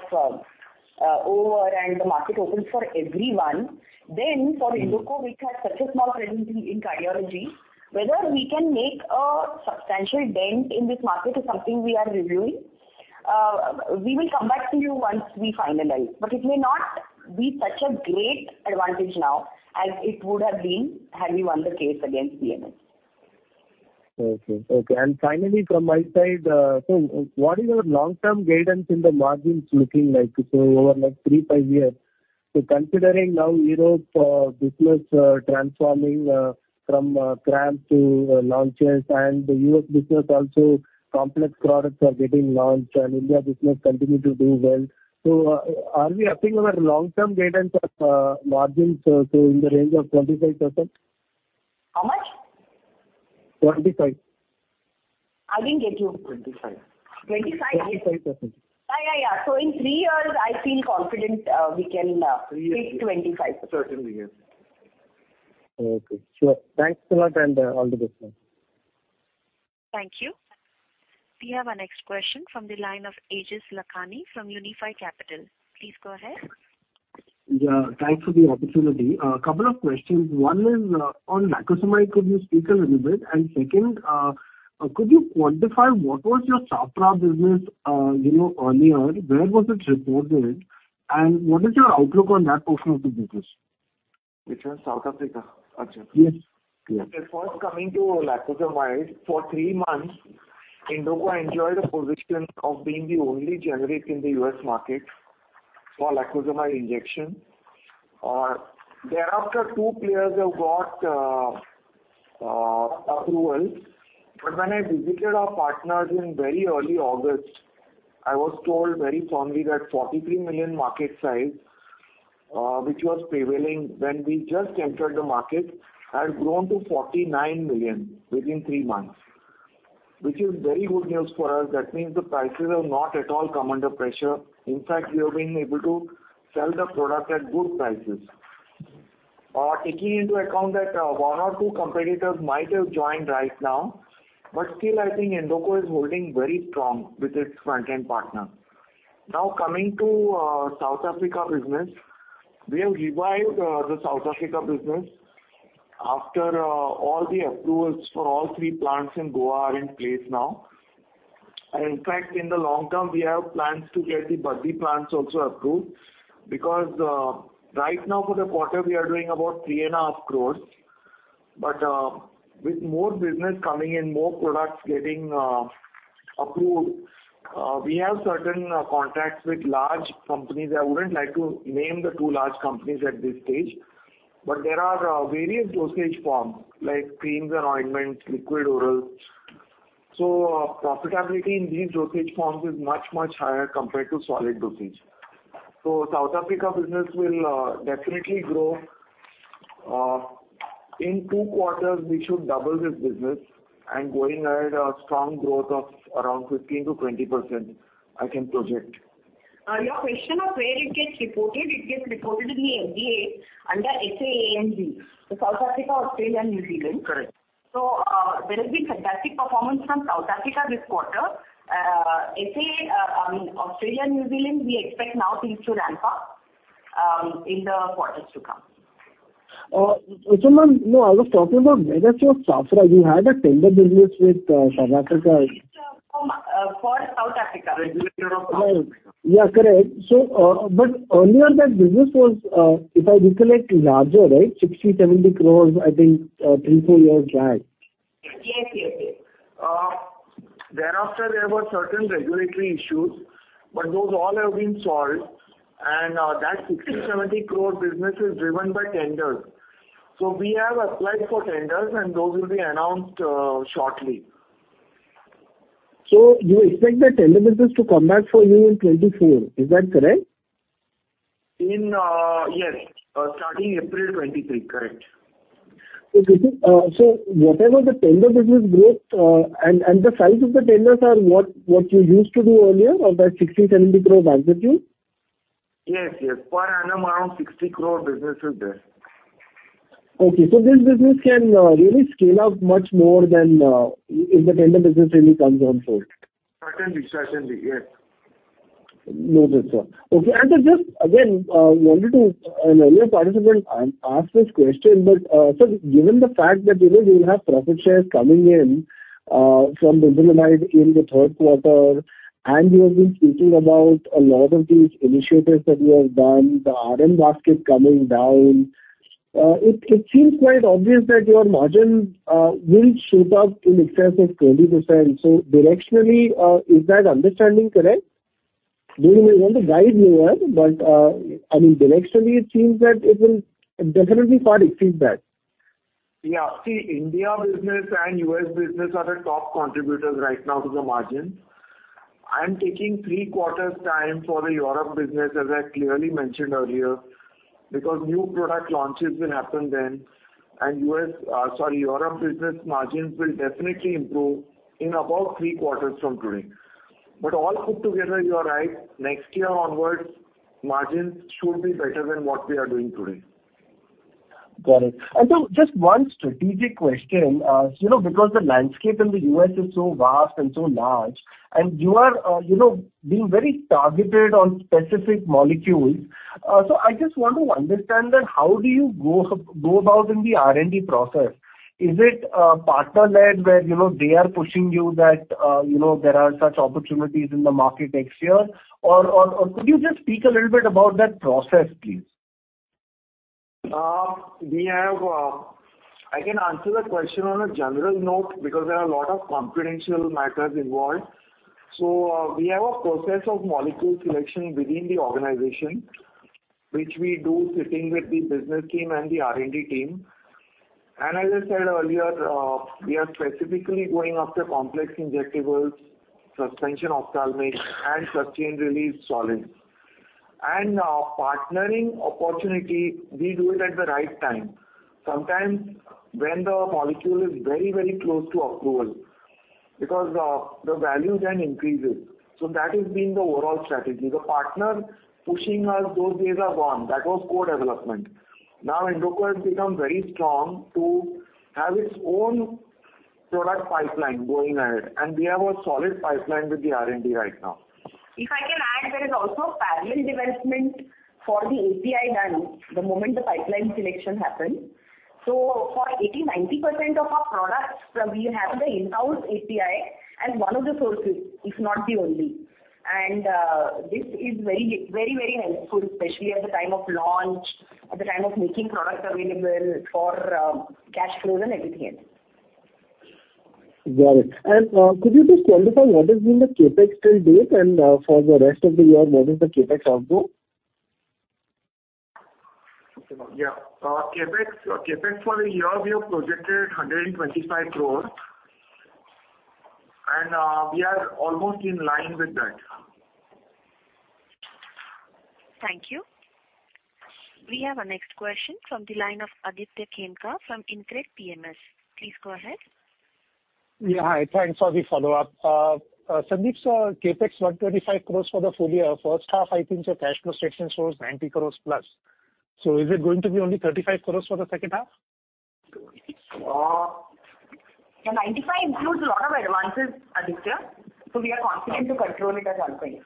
over and the market opens for everyone, then for Indoco, which has such a small presence in cardiology, whether we can make a substantial dent in this market is something we are reviewing. We will come back to you once we finalize, but it may not be such a great advantage now as it would have been had we won the case against BMS. Finally from my side, what is your long-term guidance in the margins looking like over next three, five years? Considering now Europe business transforming from CRM to launches and the U.S. business also complex products are getting launched and India business continue to do well. Are we expecting our long-term guidance of margins in the range of 25%? How much? Twenty-five. I didn't get you. Twenty-five. Twenty-five? 25%. In 3 years I feel confident we can hit 25. Certainly, yes. Okay. Sure. Thanks a lot, and all the best. Thank you. We have our next question from the line of Aejas Lakhani from Unifi Capital. Please go ahead. Yeah, thanks for the opportunity. A couple of questions. One is, on lacosamide could you speak a little bit? Second, could you quantify what was your SAHPRA business, you know, earlier? Where was it reported, and what is your outlook on that portion of the business? Which one? South Africa? Got you. Yes. Yes. Okay. First coming to lacosamide, for three months Indoco enjoyed a position of being the only generic in the U.S. market for lacosamide injection. Thereafter, two players have got approval. When I visited our partners in very early August, I was told very fondly that $43 million market size, which was prevailing when we just entered the market, had grown to $49 million within three months. Which is very good news for us. That means the prices have not at all come under pressure. In fact, we have been able to sell the product at good prices. Taking into account that one or two competitors might have joined right now, but still I think Indoco is holding very strong with its front-end partner. Now, coming to South Africa business. We have revived the South Africa business after all the approvals for all three plants in Goa are in place now. In fact, in the long term, we have plans to get the Baddi plants also approved, because right now for the quarter we are doing about 3.5 crore. With more business coming in, more products getting approved, we have certain contracts with large companies. I wouldn't like to name the two large companies at this stage. There are various dosage forms like creams and ointments, liquid orals. Profitability in these dosage forms is much, much higher compared to solid dosage. South Africa business will definitely grow. In 2 quarters we should double this business, and going ahead, a strong growth of around 15%-20% I can project. Your question of where it gets reported, it gets reported in the FDA under SA, ANZ. South Africa, Australia, New Zealand. Correct. There has been fantastic performance from South Africa this quarter. SA, I mean, Australia, New Zealand, we expect now things to ramp up in the quarters to come. Ma'am, no, I was talking about Medico Safra. You had a tender business with South Africa. It's from the regulator of South Africa. Yeah. Correct. Earlier that business was, if I recollect, larger, right? 60 crore-70 crore, I think, 3-4 years back. Yes. Yes. Yes. Thereafter, there were certain regulatory issues, but those all have been solved. That 60-70 crore business is driven by tenders. We have applied for tenders, and those will be announced shortly. You expect the tender business to come back for you in 2024. Is that correct? Yes. Starting April 23. Correct. Okay. Whatever the tender business growth, and the size of the tenders are what you used to do earlier of that 60-70 crore magnitude? Yes. Yes. Per annum around 60 crore business is there. Okay. This business can really scale up much more than if the tender business really comes on board. Certainly. Yes. Noted, sir. Okay. Just again, an earlier participant asked this question. Given the fact that, you know, you'll have profit shares coming in from brinzolamide in the third quarter, and you have been speaking about a lot of these initiatives that you have done, the RM basket coming down, it seems quite obvious that your margins will shoot up in excess of 20%. Directionally, is that understanding correct? You may want to guide more, but I mean, directionally, it seems that it will definitely far exceed that. Yeah. See, India business and U.S. business are the top contributors right now to the margins. I'm taking three quarters time for the Europe business, as I clearly mentioned earlier, because new product launches will happen then. U.S., sorry, Europe business margins will definitely improve in about three quarters from today. All put together, you are right. Next year onwards, margins should be better than what we are doing today. Got it. Just one strategic question. You know, because the landscape in the U.S. is so vast and so large, and you are you know, being very targeted on specific molecules. I just want to understand that how do you go about in the R&D process? Is it partner-led where you know, they are pushing you that you know, there are such opportunities in the market next year? Or could you just speak a little bit about that process, please? I can answer the question on a general note because there are a lot of confidential matters involved. We have a process of molecule selection within the organization, which we do sitting with the business team and the R&D team. As I said earlier, we are specifically going after complex injectables, suspension ophthalmics, and sustained-release solids. Partnering opportunity, we do it at the right time. Sometimes when the molecule is very, very close to approval, because the value then increases. That has been the overall strategy. The partner pushing us, those days are gone. That was co-development. Now Indoco has become very strong to have its own product pipeline going ahead, and we have a solid pipeline with the R&D right now. If I can add, there is also parallel development for the API done the moment the pipeline selection happens. For 80%-90% of our products, we have the in-house API as one of the sources, if not the only. This is very helpful, especially at the time of launch, at the time of making product available for cash flows and everything else. Got it. Could you just quantify what has been the CapEx till date and, for the rest of the year, what is the CapEx outlook? CapEx for the year we have projected 125 cro, and we are almost in line with that. Thank you. We have our next question from the line of Aditya Khemka from InCred PMS. Please go ahead. Yeah. Hi, thanks for the follow-up. Sundeep, sir, CapEx INR 125 crore for the full year. First half, I think your cash flow statement shows INR 90 crores plus. Is it going to be only 35 crore for the second half? The 95 includes a lot of advances, Aditya. We are confident to control it as I said.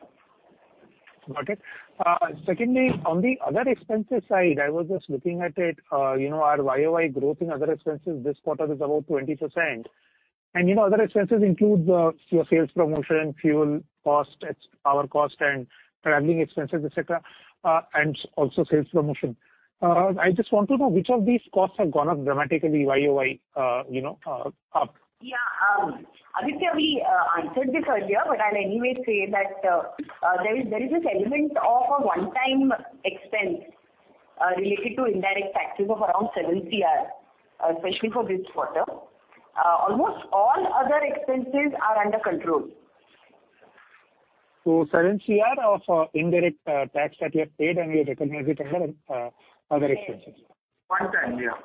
Got it. Secondly, on the other expenses side, I was just looking at it, you know, our YOY growth in other expenses this quarter is about 20%. You know, other expenses include your sales promotion, fuel cost, power cost and traveling expenses, et cetera, and also sales promotion. I just want to know which of these costs have gone up dramatically YOY, you know. Aditya, we answered this earlier, but I'll anyway say that, there is this element of a one-time expense related to indirect taxes of around 7 crore, especially for this quarter. Almost all other expenses are under control. INR 7 crore of indirect tax that you have paid, and you recognize it under other expenses. Yes. One time. Yeah.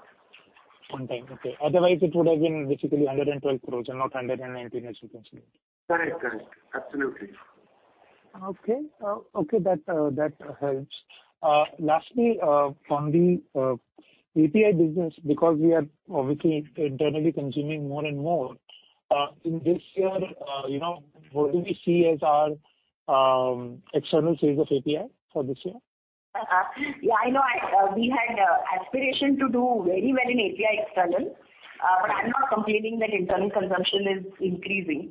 One time. Okay. Otherwise it would have been basically 112 crore and not 119 crore as you mentioned. Correct. Absolutely. Okay. That helps. Lastly, on the API business, because we are obviously internally consuming more and more in this year, you know, what do we see as our external sales of API for this year? Yeah, we had aspiration to do very well in API external, but I'm not complaining that internal consumption is increasing.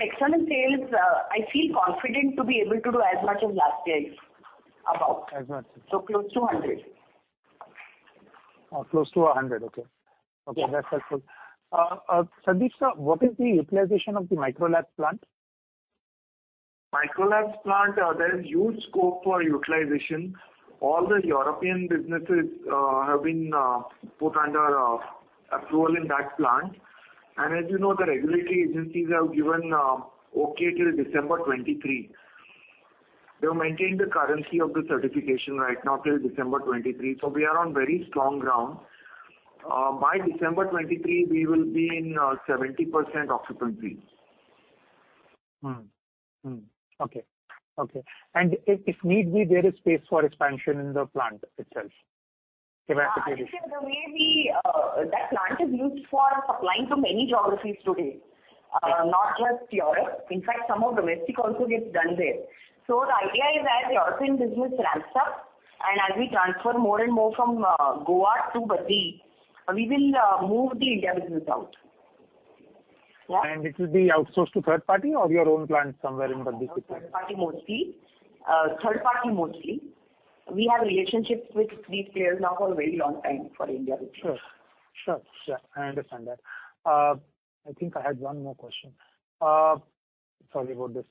External sales, I feel confident to be able to do as much as last year above. As much. Close to 100. Close to 100. Okay. Yeah. Okay. That's helpful. Sundeep, sir, what is the utilization of the Micro Labs plant? Micro Labs plant, there is huge scope for utilization. All the European businesses have been put under approval in that plant. As you know, the regulatory agencies have given okay till December 2023. They have maintained the currency of the certification right now till December 2023, so we are on very strong ground. By December 2023 we will be in 70% occupancy. If need be, there is space for expansion in the plant itself, if I can say this? Yeah, Aditya, the way we... That plant is used for supplying to many geographies today, not just Europe. In fact, some of domestic also gets done there. The idea is as the European business ramps up and as we transfer more and more from Goa to Baddi, we will move the India business out. Yeah. It will be outsourced to third-party or your own plant somewhere in Baddi itself? Third party mostly. We have relationships with these players now for a very long time for India business. I understand that. I think I had one more question. Sorry about this.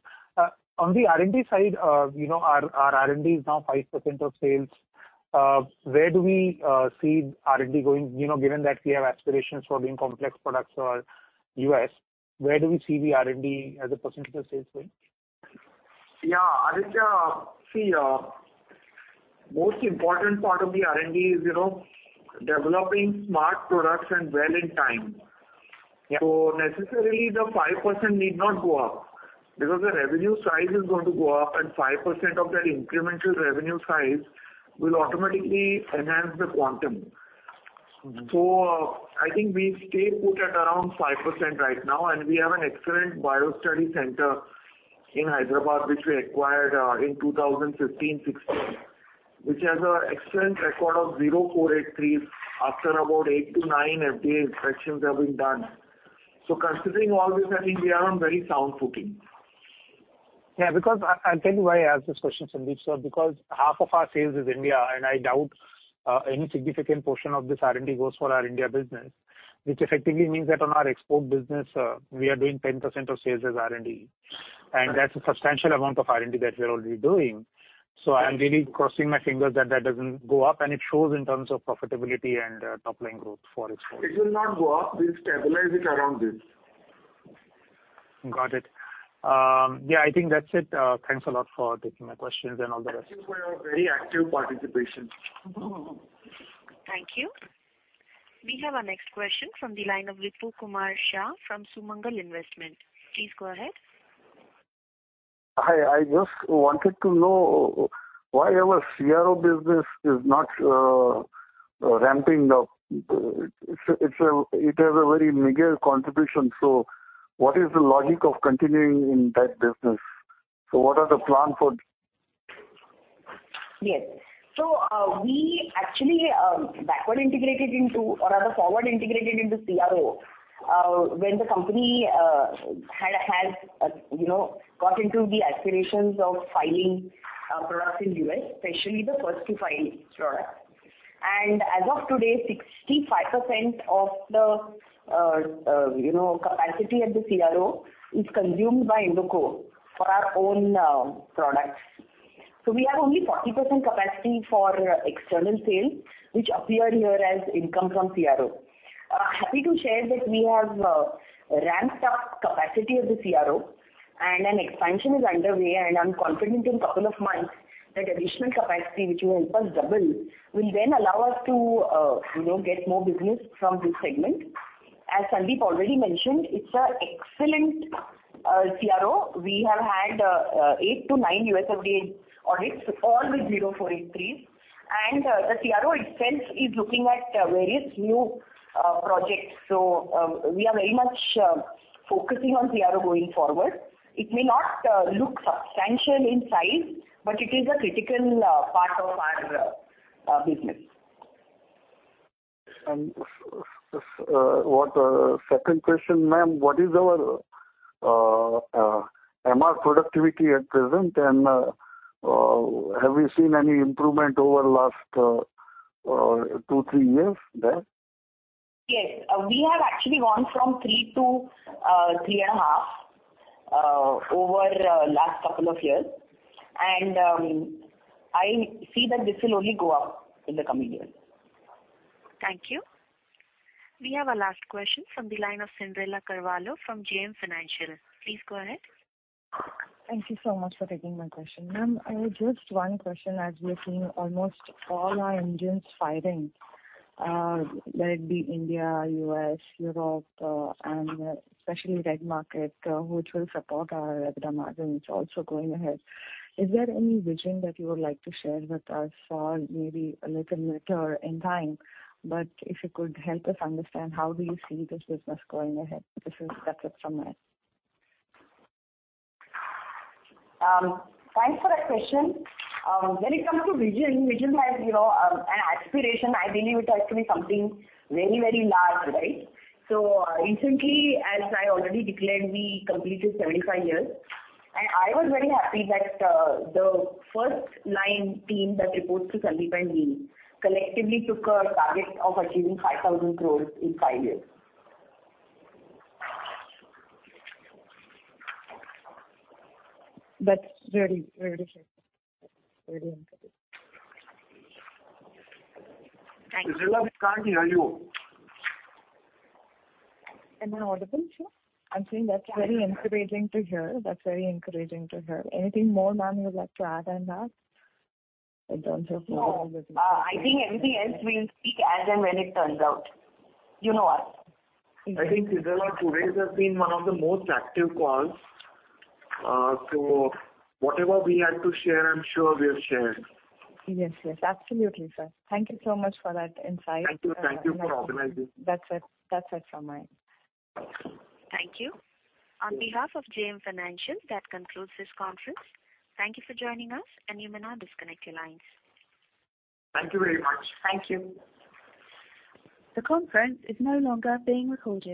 On the R&D side, you know, our R&D is now 5% of sales. Where do we see R&D going? You know, given that we have aspirations for being complex products or U.S., where do we see the R&D as a percentage of sales going? Yeah. Aditya, see, most important part of the R&D is, you know, developing smart products and well in time. Yeah. Necessarily the 5% need not go up because the revenue size is going to go up and 5% of that incremental revenue size will automatically enhance the quantum. Mm-hmm. I think we stay put at around 5% right now, and we have an excellent biostudy center in Hyderabad, which we acquired in 2015/2016, which has an excellent record of zero Form 483s after about 8-9 FDA inspections have been done. Considering all this, I think we are on very sound footing. Yeah. Because I'll tell you why I asked this question, Sundeep sir, because half of our sales is India, and I doubt any significant portion of this R&D goes for our India business, which effectively means that on our export business, we are doing 10% of sales as R&D. Correct. That's a substantial amount of R&D that we're already doing. I'm really crossing my fingers that that doesn't go up and it shows in terms of profitability and top line growth for exports. It will not go up. We'll stabilize it around this. Got it. Yeah, I think that's it. Thanks a lot for taking my questions and all the rest. Thanks for your very active participation. Thank you. We have our next question from the line of Ritu Kumar Shah from Sumangal Investments. Please go ahead. Hi. I just wanted to know why our CRO business is not ramping up. It has a very meager contribution. What is the logic of continuing in that business? What are the plan for? Yes. We actually backward integrated into or rather forward integrated into CRO when the company had you know got into the aspirations of filing products in U.S., especially the first to file products. As of today, 65% of the you know capacity at the CRO is consumed by Indoco for our own products. We have only 40% capacity for external sales, which appear here as income from CRO. Happy to share that we have ramped up capacity of the CRO and an expansion is underway, and I'm confident in couple of months that additional capacity which will help us double will then allow us to you know get more business from this segment. As Sundeep already mentioned, it's an excellent CRO. We have had 8-9 USFDA audits, all with zero 483s. The CRO itself is looking at various new projects. We are very much focusing on CRO going forward. It may not look substantial in size, but it is a critical part of our business. What second question, ma'am. What is our MR productivity at present and have you seen any improvement over last 2-3 years there? Yes. We have actually gone from 3-3.5 over last couple of years. I see that this will only go up in the coming years. Thank you. We have our last question from the line of Cyndrella Carvalho from JM Financial. Please go ahead. Thank you so much for taking my question. Ma'am, I have just one question. As we are seeing almost all our engines firing, let it be India, U.S., Europe, and especially regulated markets, which will support our EBITDA margin, which also going ahead. Is there any vision that you would like to share with us for maybe a little later in time, but if you could help us understand how do you see this business going ahead? That's it from me. Thanks for that question. When it comes to vision has, you know, an aspiration. I believe it has to be something very, very large, right? Recently, as I already declared, we completed 75 years, and I was very happy that the first line team that reports to Sundeep and me collectively took a target of achieving 5,000 crore in 5 years. That's very, very fair. Very encouraging. Thank you. Cyndrella, we can't hear you. Am I audible, sir? I'm saying that's very encouraging to hear. Anything more, ma'am, you would like to add on that in terms of- No. I think anything else we'll speak as and when it turns out. You know us. I think, Cyndrella, today's has been one of the most active calls. Whatever we had to share, I'm sure we have shared. Yes. Yes. Absolutely, sir. Thank you so much for that insight. Thank you. Thank you for organizing. That's it from my end. Thank you. On behalf of JM Financial, that concludes this conference. Thank you for joining us, and you may now disconnect your lines. Thank you very much. Thank you. The conference is no longer being recorded.